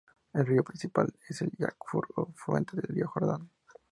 El río principal es el Yarmuk, afluente del río Jordán.